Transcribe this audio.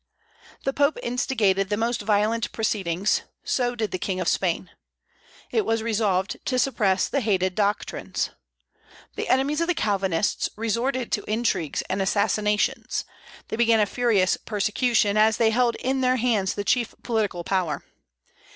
The Pope instigated the most violent proceedings; so did the King of Spain. It was resolved to suppress the hated doctrines. The enemies of the Calvinists resorted to intrigues and assassinations; they began a furious persecution, as they held in their hands the chief political power.